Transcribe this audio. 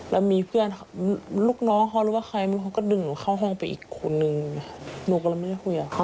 แล้วมีเพื่อนลูกน้องเขารู้ว่าใครเขาก็ดึงหนูเข้าห้องไปอีกคนนึงหนูก็เลยไม่ได้คุยกับเขา